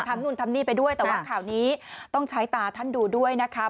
นู่นทำนี่ไปด้วยแต่ว่าข่าวนี้ต้องใช้ตาท่านดูด้วยนะคะ